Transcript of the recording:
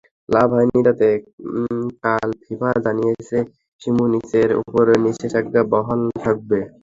লাভ হয়নি তাতে, কাল ফিফা জানিয়েছে সিমুনিচের ওপর নিষেধাজ্ঞা বহাল থাকবে।